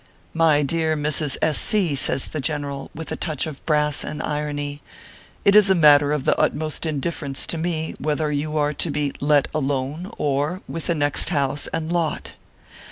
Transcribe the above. "My dear Mrs. S. C./ says the general, with a touch of brass and irony, "it is a matter of the ut most indifference to me whether you are f to be let alone/ or with the next house and lot."